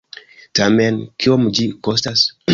Tamen, kiom ĝi kostas?